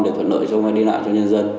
để thuận lợi cho người đi lại cho nhân dân